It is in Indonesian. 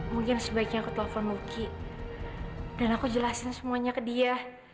mungkin sebaiknya aku telepon muki dan aku jelasin semuanya ke dia